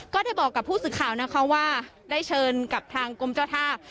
ก็ได้บอกกับผู้สื่อข่าวนะคะว่าได้เชิญกับทางกรมเจ้าท่า